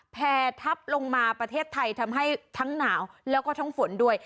แพร่ทับลงมาประเทศไทยทำให้ทั้งหนาวแล้วก็ทั้งฝนด้วย